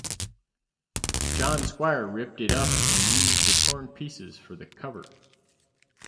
John Squire ripped it up and used the torn pieces for the cover.